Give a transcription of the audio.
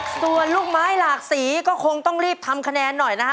ส่วนลูกไม้หลากสีก็คงต้องรีบทำคะแนนหน่อยนะฮะ